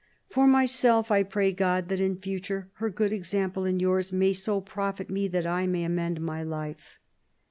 ... For myself, I pray God that in future her good example and yours may so profit me that I may amend my life."